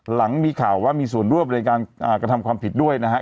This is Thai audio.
หลังมีข่าวว่ามีส่วนร่วมในการกระทำความผิดด้วยนะครับ